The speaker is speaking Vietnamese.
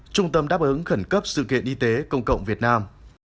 trung tâm đáp ứng khẩn cấp sự kiện y tế công cộng việt nam